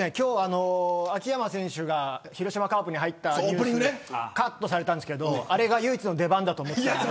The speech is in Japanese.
秋山選手が広島カープに入ったニュースカットされたんですけどあれが唯一の出番だと思っていたんで。